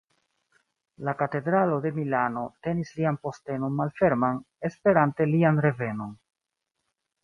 La katedralo de Milano tenis lian postenon malferman, esperante lian revenon.